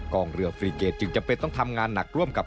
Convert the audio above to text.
กองเรือฟรีเกจจึงจำเป็นต้องทำงานหนักร่วมกับ